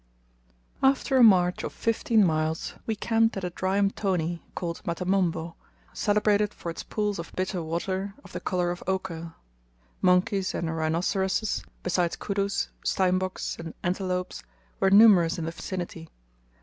After a march of fifteen miles we camped at a dry mtoni, called Matamombo, celebrated for its pools of bitter water of the colour of ochre. Monkeys and rhinoceroses, besides kudus, steinboks, and antelopes, were numerous in the vicinity.